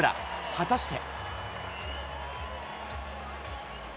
果たして。